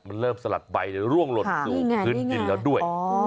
มันเริ่มสลัดใบร่วงหล่นสู่พื้นดินแล้วด้วย